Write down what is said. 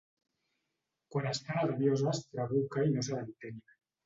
Quan està nerviosa es trabuca i no se l'entén.